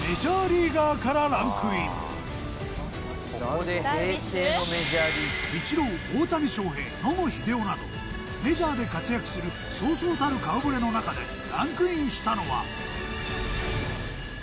「ここで平成のメジャーリーガー」イチロー大谷翔平野茂英雄などメジャーで活躍するそうそうたる顔ぶれの中でランクインしたのは。